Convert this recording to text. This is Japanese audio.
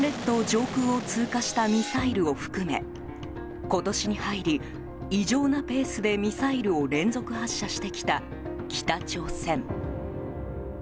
上空を通過したミサイルを含め今年に入り異常なペースでミサイルを連続発射してきた北朝鮮。